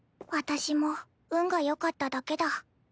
私も運がよかっただけだ。